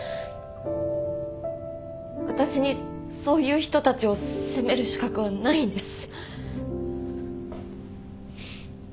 私にそういう人たちを責める資格はないんです。